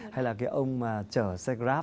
hay là cái ông mà chở xe grab